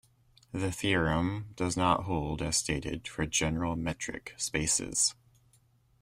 The theorem does not hold as stated for general metric spaces.